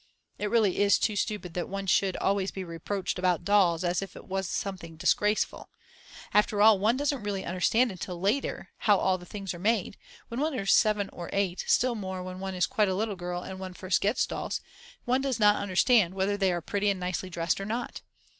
It really is too stupid that one should always be reproached about dolls as if it was something disgraceful. After all, one doesn't really understand until later how all the things are made; when one is 7 or 8 or still more when one is quite a little girl and one first gets dolls, one does not understand whether they are pretty and nicely dressed or not.